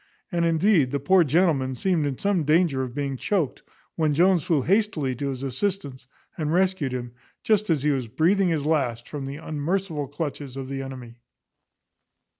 and, indeed, the poor gentleman seemed in some danger of being choaked, when Jones flew hastily to his assistance, and rescued him, just as he was breathing his last, from the unmerciful clutches of the enemy.